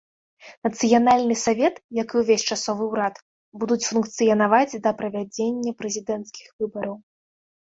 Нацыянальны савет, як і ўвесь часовы ўрад, будуць функцыянаваць да правядзення прэзідэнцкіх выбараў.